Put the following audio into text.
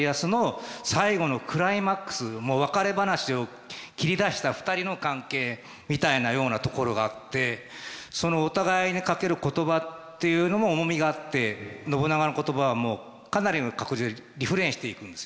もう別れ話を切り出した２人の関係みたいなようなところがあってそのお互いにかける言葉っていうのも重みがあって信長の言葉はもうかなりの確率でリフレインしていくんですよね。